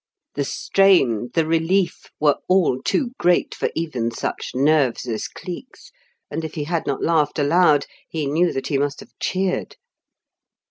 The strain, the relief, were all too great for even such nerves as Cleek's, and if he had not laughed aloud, he knew that he must have cheered.